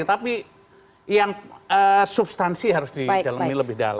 tapi yang substansi harus didalami lebih dalam